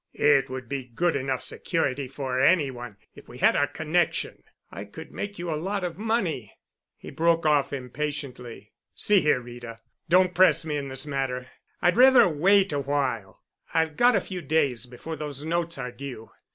"It would be good enough security for any one if we had our connection. I could make you a lot of money." He broke off impatiently. "See here, Rita, don't press me in this matter, I'd rather wait a while. I've got a few days before those notes are due.